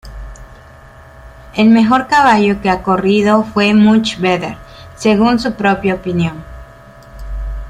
El mejor caballo que ha corrido fue Much Better, según su propia opinión.